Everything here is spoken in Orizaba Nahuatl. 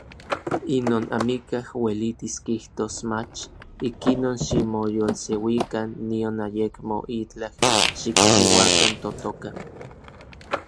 Inon amikaj uelitis kijtos mach. Ikinon ximoyolseuikan nion ayekmo itlaj xikchiuakan totoka.